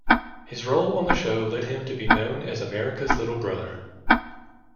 His role on the show led him to be known as America's little brother.